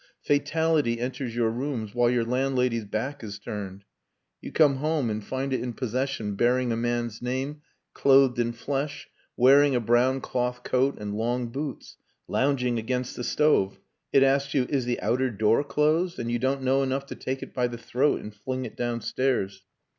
Fatality enters your rooms while your landlady's back is turned; you come home and find it in possession bearing a man's name, clothed in flesh wearing a brown cloth coat and long boots lounging against the stove. It asks you, "Is the outer door closed?" and you don't know enough to take it by the throat and fling it downstairs.